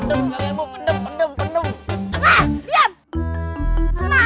pendem kalian pendem pendem pendem